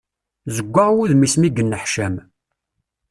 Zewwaɣ wudem-is mi yenneḥcam.